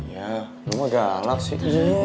ya rumah galak sih